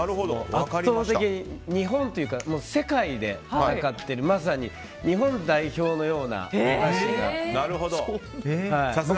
圧倒的に、日本というか世界で戦ってるまさに日本代表のようなお菓子が。